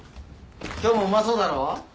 今日もうまそうだろ？